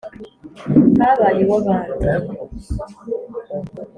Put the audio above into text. Habaye iw'abandi